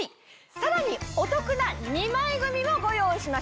さらにお得な２枚組もご用意しました。